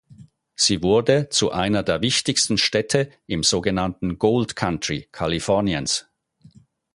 Sie wurde zu einer der wichtigsten Städte im so genannten Gold Country Kaliforniens.